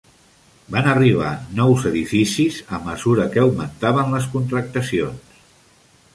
Van arribar nous edificis a mesura que augmentaven les contractacions.